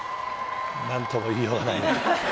何とも言いようがないね。